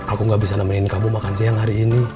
aku gak bisa nemenin kamu makan siang hari ini